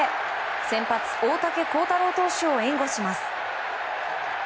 先発、大竹耕太郎投手を援護します。